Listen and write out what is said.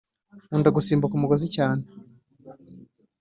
nkunda gusimbuka umugozi cyane